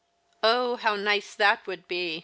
" Oh, how nice that woukl be !